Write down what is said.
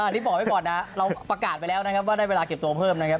นี่บอกไว้ก่อนนะเราประกาศไปแล้วนะครับว่าได้เวลาเก็บตัวเพิ่มนะครับ